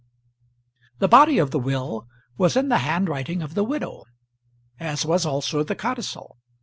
The body of the will was in the handwriting of the widow, as was also the codicil.